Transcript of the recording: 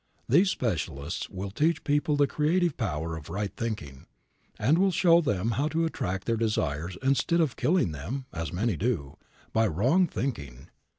These specialists will teach people the creative power of right thinking, and will show them how to attract their desires instead of killing them, as so many do, by wrong thinking.